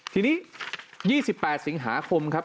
ทีนี้๒๘สิงหาคมครับ